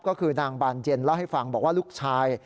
ก็คือนางบานเย็นเล่าให้ฟังบอกว่าลูกชาย